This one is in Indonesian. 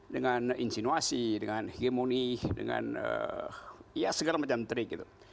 dengan insinuasi dengan hegemoni dengan ya segala macam trik gitu